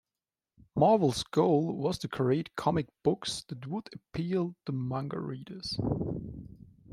Marvel's goal was to create comic books that would appeal to manga readers.